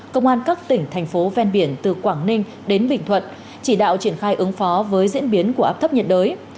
công an các tỉnh thành phố ven biển từ quảng ninh đến bình thuận chỉ đạo triển khai ứng phó với diễn biến của áp thấp nhiệt đới